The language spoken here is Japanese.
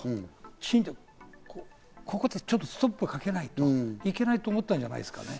きちんとここでストップをかけないといけないと思ったんじゃないですかね。